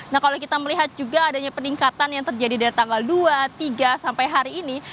nah kalau kita melihat juga adanya peningkatan yang terjadi dari tanggal dua tiga sampai hari ini